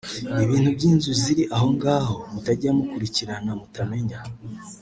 Ibintu by’inzu ziri aho ngaho mutajya mukurikirana mutamenya